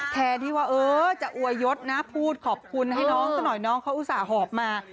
แทนที่ว่าเออจะอวยยศนะพูดขอบคุณให้น้องซะหน่อยน้องเขาอุตส่าหอบมา